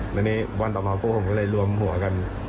วันต่อมาเราเรียนรวมหัวกัน